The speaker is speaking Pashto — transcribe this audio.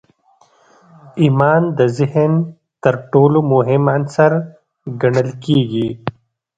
ايمان د ذهن تر ټولو مهم عنصر ګڼل کېږي.